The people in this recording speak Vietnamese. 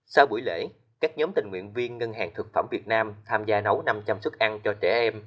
sau buổi lễ các nhóm tình nguyện viên ngân hàng thực phẩm việt nam tham gia nấu năm trăm linh xuất ăn cho trẻ em